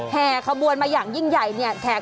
แห่ขบวนมาอย่างยิ่งใหญ่เนี่ย